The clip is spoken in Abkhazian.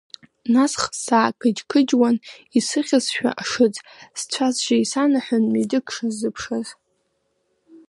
Насх саақыџь-қыџьуан, исыхьызшәа ашыӡ, сцәа-сжьы исанаҳәон митәык шысзыԥшыз.